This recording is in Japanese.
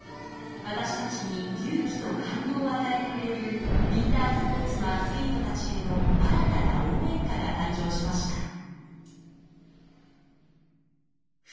私たちに勇気と感動を与えてくれるウィンタースポーツのアスリートたちへの新たな応援歌が誕生しました。